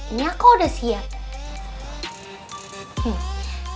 ini aku udah siap